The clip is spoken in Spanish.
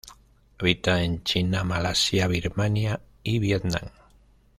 Habita en China, Malasia, Birmania y Vietnam.